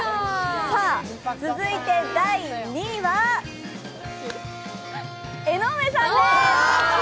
さあ、続いて第２位は、江上さんでーす。